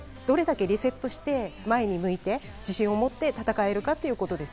どれだけリセットして前に向いて、自信を持って戦えるか。